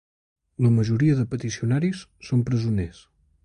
La majoria de peticionaris són presoners.